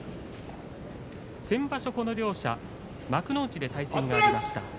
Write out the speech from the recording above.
先場所この両者幕内で対戦がありました。